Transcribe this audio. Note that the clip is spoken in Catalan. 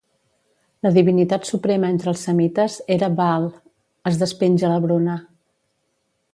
La divinitat suprema entre els semites era Baal, es despenja la Bruna.